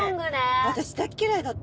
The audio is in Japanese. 私大嫌いだった。